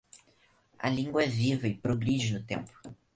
A língua é viva e progride no tempo